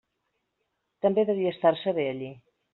També devia estar-se bé allí.